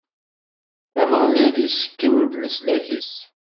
Ameɣlal issken-d leslak-is.